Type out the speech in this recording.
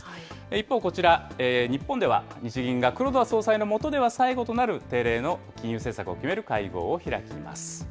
一方こちら、日本では日銀が黒田総裁の下では最後となる定例の金融政策を決める会合を開きます。